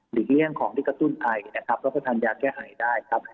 เลี่ยงของที่กระตุ้นไอนะครับแล้วก็ทานยาแก้ไขได้ครับ